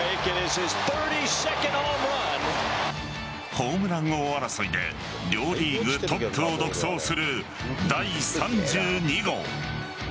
ホームラン王争いで両リーグトップを独走する第３２号。